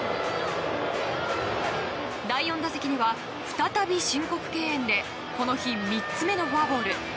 第４打席では再び申告敬遠でこの日、３つ目のフォアボール。